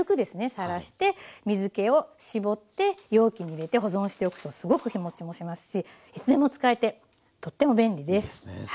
さらして水けを絞って容器に入れて保存しておくとすごく日もちもしますしいつでも使えてとっても便利です。